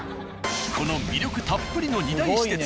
この魅力たっぷりの２大私鉄